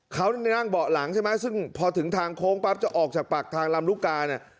เขานั่งเบาะหลังใช่ไหมซึ่งพอถึงทางโค้งปั๊บจะออกจากปากทางลำลูกกาเนี่ย